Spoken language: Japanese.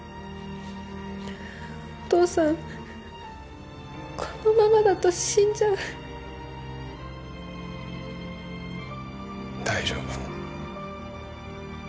お父さんこのままだと死んじゃう大丈夫